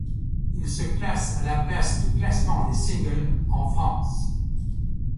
Il se classe à la place du classement des singles en France.